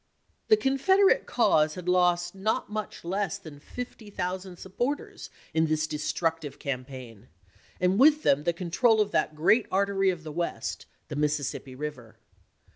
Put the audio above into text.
The Confederate cause had lost not much less than fifty thousand supporters in this destructive cam paign, and with them the control of that great artery of the West, the Mississippi River.